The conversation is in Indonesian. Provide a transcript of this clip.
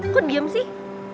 kok diem sih